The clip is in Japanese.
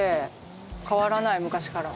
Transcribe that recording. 変わらない昔から。